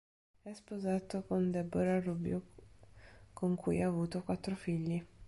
È sposato con Deborah Rubio con cui ha avuto quattro figli.